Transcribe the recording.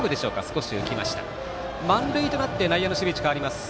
満塁となって内野の守備位置変わります。